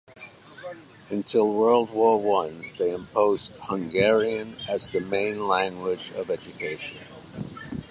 Until World War One, they imposed Hungarian as the main language of education.